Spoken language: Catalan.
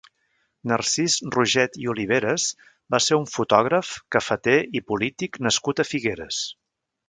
Narcís Roget i Oliveras va ser un fotògraf, cafeter i polític nascut a Figueres.